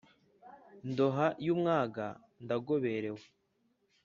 Ndoha y'umwaga ndagoberewe